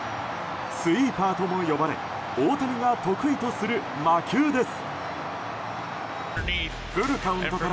スイーパーとも呼ばれ大谷が得意とする、魔球です。